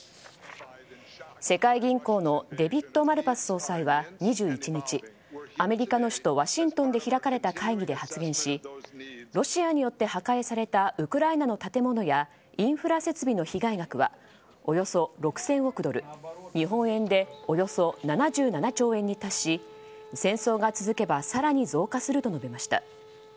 世界銀行のデビッド・マルパス総裁は２１日アメリカの首都ワシントンで開かれた会議で発言しロシアによって破壊されたウクライナの建物やインフラ設備の被害額はおよそ６０００億ドル日本円でおよそ７７兆円に達し戦争が続けば更に増加すると述べました。